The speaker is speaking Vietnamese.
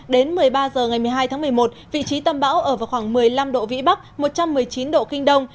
đến một mươi ba h ngày một mươi hai tháng một mươi một vị trí tâm bão ở vào khoảng một mươi năm độ vĩ bắc một trăm một mươi chín độ kinh đông